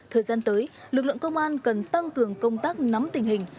thời gian tới lực lượng công an cần tăng cường công tác nắm tình hình